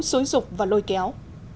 số dục và lôi kéo